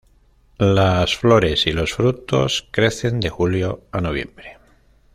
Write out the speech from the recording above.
Las flores y los frutos crecen de julio a noviembre.